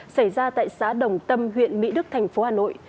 xảy ra tại xã đồng tâm huyện mỹ đức thành phố hà nội